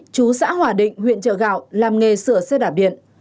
chú xã hòa định huyện trợ gạo làm nghề sửa xe đạp điện